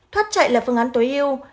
thoát chạy là phương án tối yêu